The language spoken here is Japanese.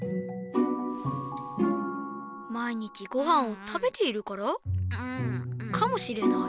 まいにちごはんをたべているからかもしれない。